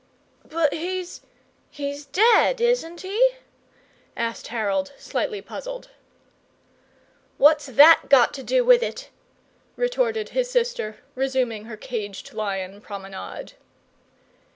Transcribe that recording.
"But he's he's DEAD, isn't he?" asked Harold, slightly puzzled. "What's that got to do with it?" retorted his sister, resuming her caged lion promenade.